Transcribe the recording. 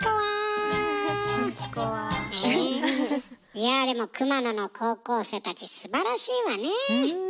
いやでも熊野の高校生たちすばらしいわね。